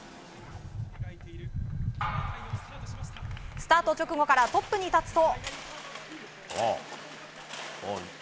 スタート直後からトップに立つと。